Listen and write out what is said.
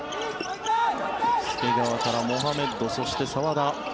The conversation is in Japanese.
介川からモハメッドそして澤田。